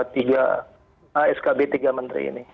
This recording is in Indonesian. tiga askb tiga menteri ini